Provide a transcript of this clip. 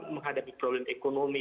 menghadapi problem ekonomi